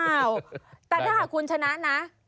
อ้าวแต่ถ้าหากคุณชนะนะ